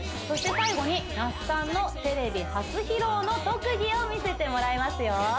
そして最後に那須さんのテレビ初披露の特技を見せてもらいますよ